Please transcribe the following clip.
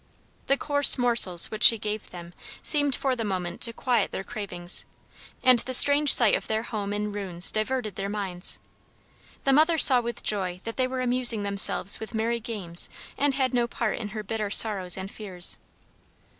The coarse morsels which she gave them seemed for the moment to quiet their cravings, and the strange sight of their home in ruins diverted their minds. The mother saw with joy that they were amusing themselves with merry games and had no part in her bitter sorrows and fears.